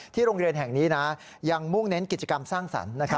ที่โรงเรียนแห่งนี้ยังมุ่งเน้นกิจกรรมสร้างสรรค์